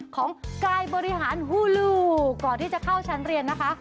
ของกายบริหารหูลูกก่อนที่จะเข้าชั้นเรียนนะคะ